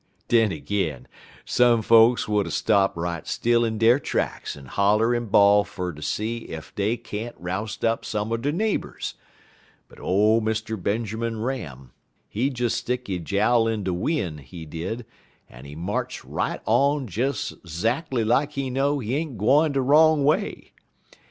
Den ag'in, some folks would er stop right still in der tracks en holler en bawl fer ter see ef dey can't roust up some er de neighbors, but ole Mr. Benjermun Ram, he des stick he jowl in de win', he did, en he march right on des 'zackly like he know he ain't gwine de wrong way.